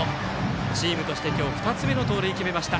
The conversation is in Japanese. チームとして今日２つ目の盗塁を決めました。